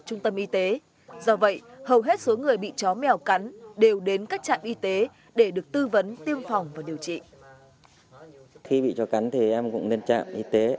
trung tâm y tế do vậy hầu hết số người bị chó mèo cắn đều đến các trạm y tế